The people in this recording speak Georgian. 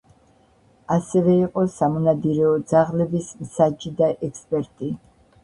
ასევე იყო სამონადირეო ძაღლების მსაჯი და ექსპერტი.